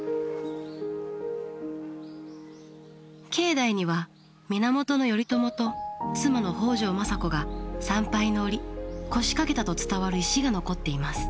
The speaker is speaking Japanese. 境内には源頼朝と妻の北条政子が参拝の折腰掛けたと伝わる石が残っています。